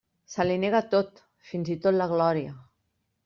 Se li nega tot, fins i tot la glòria.